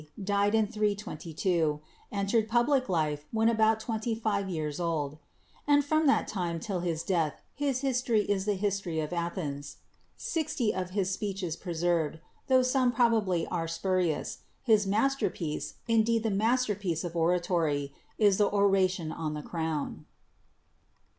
died in 322; entered public life when about twenty five years old, "and from that time till his death his history is the history of Athens"; sixty of his speeches preserved, tho some probably are spurious; his masterpiece, indeed the masterpiece of oratory, is " The Oration on the Crown.''